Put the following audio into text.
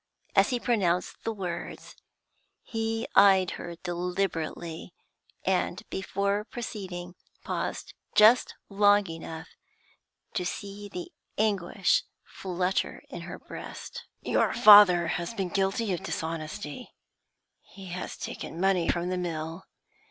As he pronounced the words, he eyed her deliberately, and, before proceeding, paused just long enough to see the anguish flutter in her breast. 'Your father has been guilty of dishonesty; he has taken money from the mill.